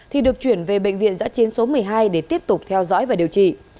thì được chuyển về bệnh viện giã chiến số một mươi hai để tiếp tục theo dõi và điều trị